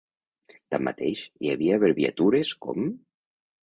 Tanmateix, hi havia abreviatures com?